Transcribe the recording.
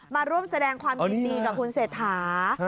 มาร่วมแสดงความคิดดีกับคฎเสถา